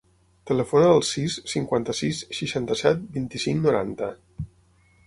Telefona al sis, cinquanta-sis, seixanta-set, vint-i-cinc, noranta.